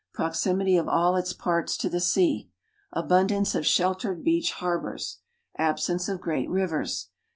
Proximity of all its parts to the sea. Abundance of sheltered beach harbors. Absence of great rivers.